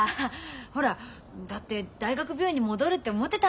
ほらだって大学病院に戻るって思ってたんだもん。